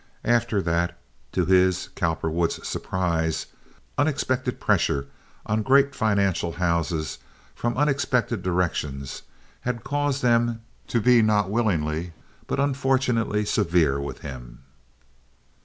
After that, to his, Cowperwood's, surprise, unexpected pressure on great financial houses from unexpected directions had caused them to be not willingly but unfortunately severe with him.